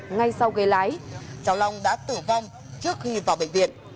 ngay sau gây lái cháu long đã tử vong trước khi vào bệnh viện